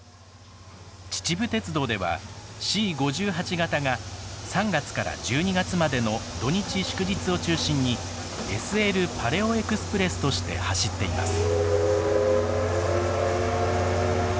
秩父鉄道ではＣ５８形が３月から１２月までの土日祝日を中心にＳＬパレオエクスプレスとして走っています。